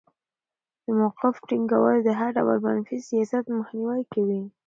د موقف ټینګول د هر ډول منفي سیاست مخنیوی کوي.